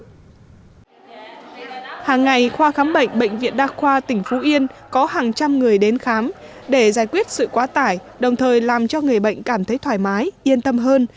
hàng ngày khoa khám bệnh bệnh viện đa khoa tỉnh phú yên có hàng trăm người đến khám để giải quyết sự quá tải đồng thời làm cho người bệnh cảm thấy thoải mái yên tâm hơn